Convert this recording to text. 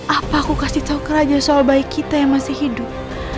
apa aku kasih tau ke raja soal bayi kita yang masih hidup